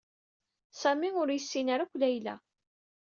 Sami ur yessin ara akk Layla.